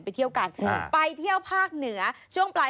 ไปเที่ยวดีกว่า